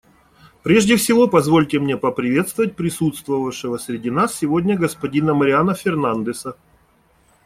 Прежде всего, позвольте мне поприветствовать присутствовавшего среди нас сегодня господина Мариано Фернандеса.